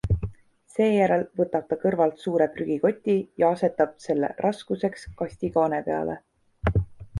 Seejärel võtab ta kõrvalt suure prügikoti ja asetab selle raskuseks kasti kaane peale.